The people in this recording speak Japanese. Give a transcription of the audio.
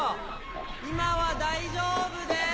今は大丈夫です！